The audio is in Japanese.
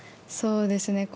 そうですね。